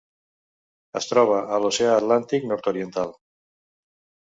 Es troba a l'Oceà Atlàntic nord-oriental: